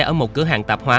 ở một cửa hàng tạp hóa